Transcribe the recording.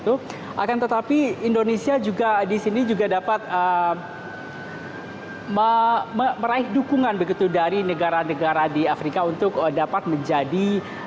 akan tetapi indonesia juga di sini juga dapat meraih dukungan begitu dari negara negara di afrika untuk dapat menjadi